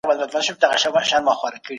د لويي جرګې غړي څنګه له رسنیو سره خبري کوي؟